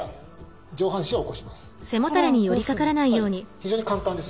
非常に簡単です。